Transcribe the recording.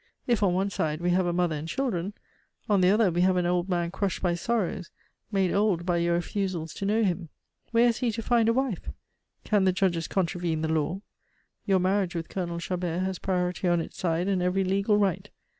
If on one side we have a mother and children, on the other we have an old man crushed by sorrows, made old by your refusals to know him. Where is he to find a wife? Can the judges contravene the law? Your marriage with Colonel Chabert has priority on its side and every legal right.